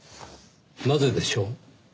なぜでしょう？